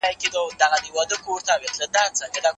چي ماته يې د تحصيل زمينه برابره